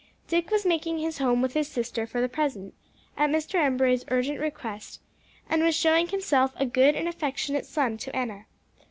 Dick was making his home with his sister for the present, at Mr. Embury's urgent request, and was showing himself a good and affectionate son to Enna.